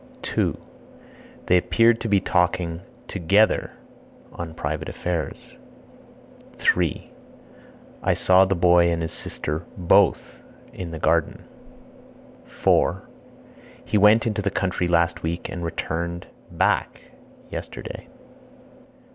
2. They appeared to be talking (together) on private affairs. 3. I saw the boy and his sister (both) in the garden. 4. He went into the country last week and returned (back) yesterday.